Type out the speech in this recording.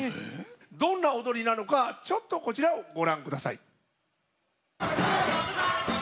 どんな踊りなのかちょっとこちらをご覧下さい。